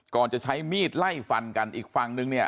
ก่อนจะใช้มีดไล่ฟันกันอีกฝั่งนึงเนี่ย